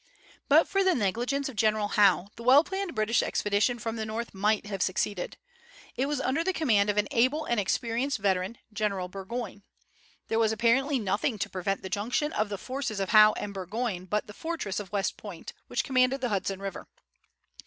But for the negligence of General Howe, the well planned British expedition from the North might have succeeded. It was under the command of an able and experienced veteran, General Burgoyne. There was apparently nothing to prevent the junction of the forces of Howe and Burgoyne but the fortress of West Point, which commanded the Hudson River.